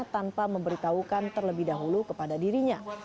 tanpa memberitahukan terlebih dahulu kepada dirinya